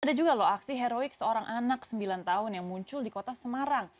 ada juga loh aksi heroik seorang anak sembilan tahun yang muncul di kota semarang